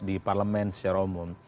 di parlemen syaromun